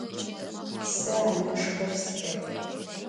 Se aneşşxer si'ex.